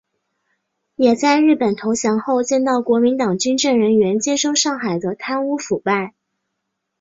也在日本投降后见到国民党军政人员接收上海的贪污腐败。